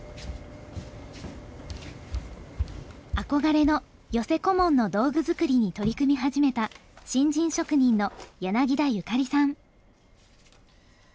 憧れの寄せ小紋の道具作りに取り組み始めた新人職人の柳田ゆかりさん。